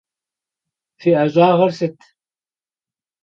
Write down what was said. Фи ӏэщӏагъэр сыт?